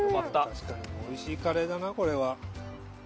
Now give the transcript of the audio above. ・確かにおいしいカレーだなこれは。